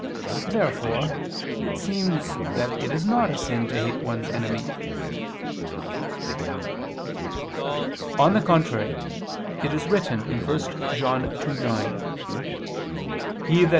Therefore it seems that it is not a sin to hate one's I enemy. On the contrary, It is written (1 John 2:9): "He that